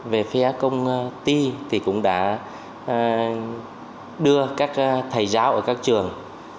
về phía công ty thì cũng đã đưa các thầy giáo ở các trường